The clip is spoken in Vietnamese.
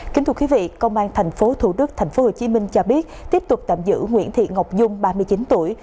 kính thưa quý vị công an tp thủ đức tp hcm cho biết tiếp tục tạm giữ nguyễn thị ngọc dung ba mươi chín tuổi